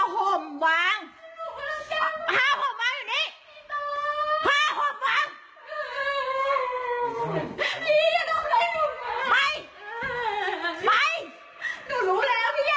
นี่ไปไปหนูรู้แล้วที่เนี้ยทำอย่างงี้นี่ไปสิไปบอก